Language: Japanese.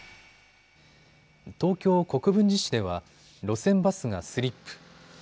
東京国分寺市では路線バスがスリップ。